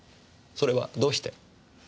それはどうして？